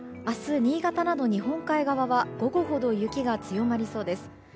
明日、新潟など日本海側は午後ほど雪が強まりそうです。